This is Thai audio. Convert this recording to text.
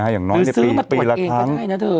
อย่างน้อยปีละครั้ง